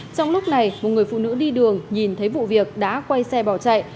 trong lúc này một người phụ nữ đi đường nhìn thấy vụ việc đã quay xe bỏ chạy